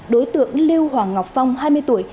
đối tượng lưu hoàng ngọc phong hai mươi tuổi